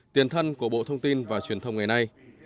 tiền thân của bộ thông tin và truyền thông ngày nay